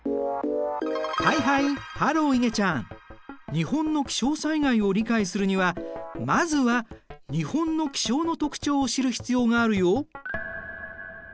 日本の気象災害を理解するにはまずは日本の気象の特徴を知る必要があるよ。